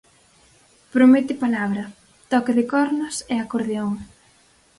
Promete palabra, toque de cornas e acordeón.